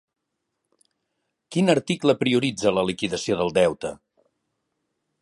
Quin article prioritza la liquidació del deute?